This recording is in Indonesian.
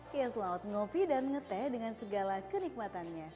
kia selawat ngopi dan nge teh dengan segala kenikmatannya